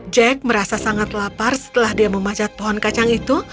jack merasa sangat lapar setelah dia memanjat pohon kacang itu